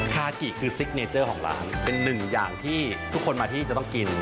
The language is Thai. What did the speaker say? คากิคือซิกเนเจอร์ของร้านเป็นหนึ่งอย่างที่ทุกคนมาที่จะต้องกิน